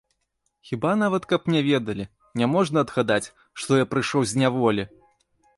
Хіба нават каб не ведалі, не можна адгадаць, што я прыйшоў з няволі?!